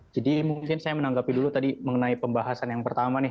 jadi mungkin saya menanggapi dulu tadi mengenai pembahasan yang pertama nih